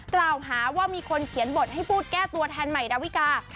กล่าวหาว่ามีคนเขียนบทให้พูดแก้ตัวแทนใหม่ดาวิกา